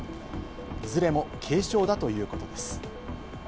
いずれも軽傷だということです。